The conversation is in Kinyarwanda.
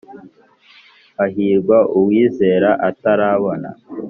hahirwa uwizera atarabona